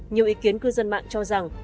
nhiều ý kiến cư dân mạng cho rằng